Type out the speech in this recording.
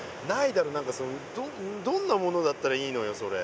何かそのどんなものだったらいいのよそれ。